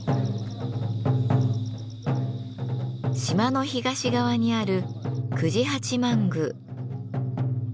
島の東側にある久知八幡宮。